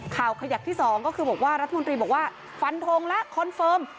ขยักที่๒ก็คือบอกว่ารัฐมนตรีบอกว่าฟันทงแล้วคอนเฟิร์ม